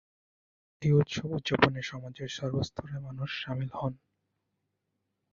এই উৎসব উদযাপনে সমাজের সর্বস্তরের মানুষ সামিল হন।